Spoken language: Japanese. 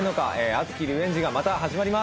熱きリベンジがまた始まります。